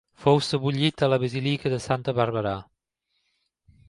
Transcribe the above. Fou sebollit a la basílica de Santa Bàrbara.